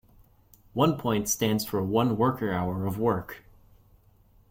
One point stands for one worker-hour of work.